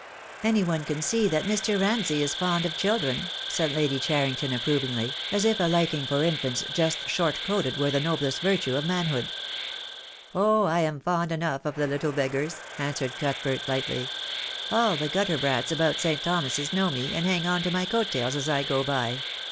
"Any one can see that Mr. Ramsay is fond of children," said Lady Cheriton approvingly, as if a liking for infants just short coated were the noblest virtue of manhood. "Oh, I am fond enough of the little beggars," answered Cuthbert, lightly. "All the gutter brats about St. Thomas's know me, and hang on to my coat tails as I go by.